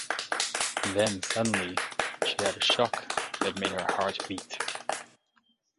Then suddenly she had a shock that made her heart beat.